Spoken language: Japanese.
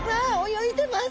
泳いでます！